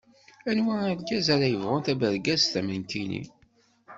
Anwa argaz ara yebɣun tabergazt am nekkini?